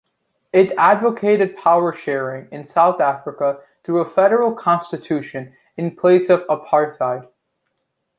It advocated power-sharing in South Africa through a federal constitution, in place of apartheid.